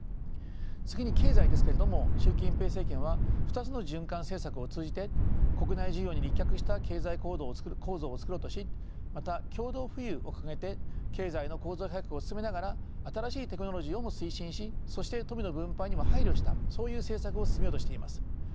次に経済ですけれども習近平政権は２つの循環政策を通じて国内需要に立脚した経済構造を作ろうとしまた共同富裕を掲げて経済の構造改革を進めながら新しいテクノロジーをも推進しそして富の分配にも配慮したそういう政策を進めようとしています。